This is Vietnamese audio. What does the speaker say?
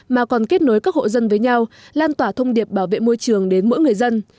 mà còn kết nối các hộ dân với nhau lan tỏa thông điệp bảo vệ môi trường đến mỗi người dân